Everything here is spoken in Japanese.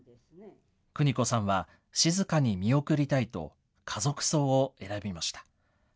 邦子さんは、静かに見送りたいと、家族葬を選びました。